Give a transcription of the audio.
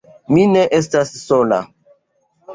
Mi ne estas sola.